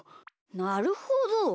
なるほど。